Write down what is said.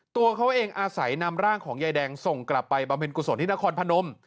ตัวเขาเองอาศัยนำร่างของยายแดงส่งกลับไปบำเพ็ญกุศลที่นครพนม